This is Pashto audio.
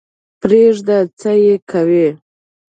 پرېږده څه یې کوې.